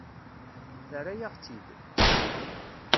Terra-yaɣ-tt-id.